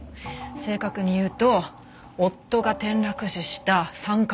正確に言うと夫が転落死した３カ月後から。